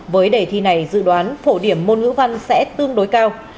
với đề thi này dự đoán phổ điểm môn ngữ văn sẽ tương đối cao